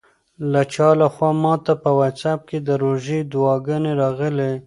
د چا لخوا ماته په واټساپ کې د روژې دعاګانې راغلې.